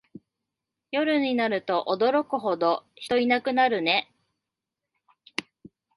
夜になると驚くほど人いなくなるね